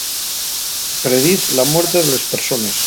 Prediz la muerte les persones.